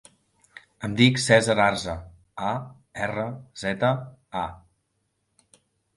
Em dic Cèsar Arza: a, erra, zeta, a.